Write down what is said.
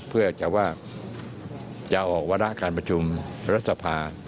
เพื่อจะว่าจะออกวาระการประชุมรัฐสภา